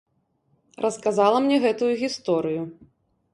Расказала мне гэтую гісторыю.